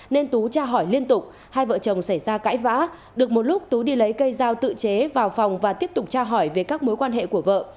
nên tú tra hỏi liên tục hai vợ chồng xảy ra cãi vã được một lúc tú đi lấy cây dao tự chế vào phòng và tiếp tục tra hỏi về các mối quan hệ của vợ